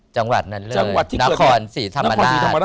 จังหวัดนั้นเลยนครศรีธรรมดา